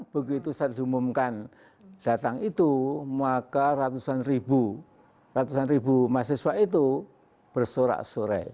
begitu saat diumumkan datang itu maka ratusan ribu ratusan ribu mahasiswa itu bersorak sore